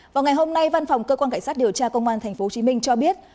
vào ngày hôm nay văn phòng cơ quan cảnh sát điều tra công an tp hcm cho biết